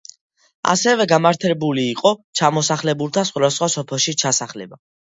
ასევე გაუმართლებელი იყო ჩამოსახლებულთა სხვადასხვა სოფელში ჩასახლება.